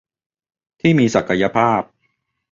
ที่มีศักยภาพ